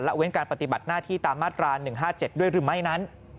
เว้นการปฏิบัติหน้าที่ตามมาตรา๑๕๗ด้วยหรือไม่นั้น